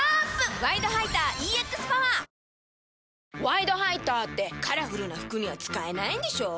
「ワイドハイター」ってカラフルな服には使えないんでしょ？